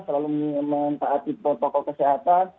selalu mentaati protokol kesehatan